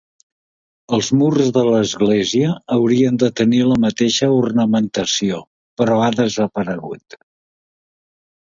Els murs de l'església haurien de tenir la mateixa ornamentació però ha desaparegut.